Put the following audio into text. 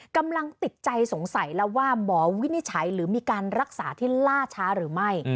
กำลังติดใจสงสัยแล้วว่าหมอวินิจฉัยหรือมีการรักษาที่ล่าช้าหรือไม่